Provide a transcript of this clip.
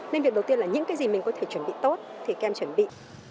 nên việc đầu tiên là những cái gì mình có thể chuẩn bị tốt thì các em chuẩn bị